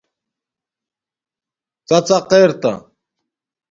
ڎڎق ارتا